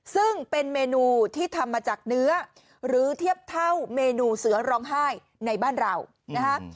ซึ่งเป็นเมนูที่ทำมาจากเนื้อหรือเทียบเท่าเมนูเสือร้องไห้ในบ้านเรานะคะ